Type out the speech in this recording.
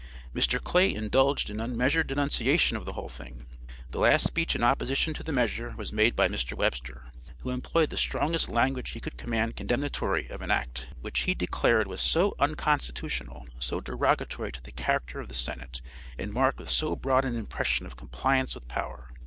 Mr. Clay indulged in unmeasured denunciation of the whole thing. The last speech in opposition to the measure was made by Mr. Webster, who employed the strongest language he could command condemnatory of an act which he declared was so unconstitutional, so derogatory to the character of the senate, and marked with so broad an impression of compliance with power.